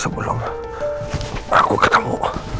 sebelum aku ketemu